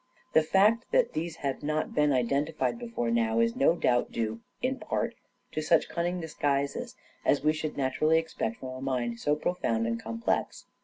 The fact that these have not been identified before now is no doubt due, in part, to such cunning disguises as we should naturally expect from a mind so profound and complex.